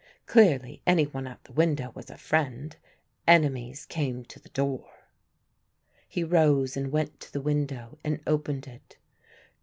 Clearly any one at the window was a friend; enemies came to the door. He rose and went to the window and opened it.